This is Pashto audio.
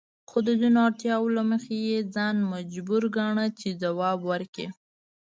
خو د ځینو اړتیاوو له مخې یې ځان مجبور ګاڼه چې ځواب ورکړي.